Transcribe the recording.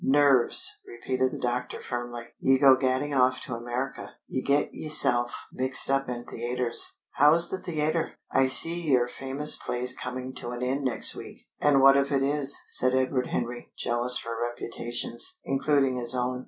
"Nerves," repeated the doctor firmly. "Ye go gadding off to America. Ye get yeself mixed up in theatres.... How's the theatre? I see yer famous play's coming to end next week." "And what if it is?" said Edward Henry, jealous for reputations, including his own.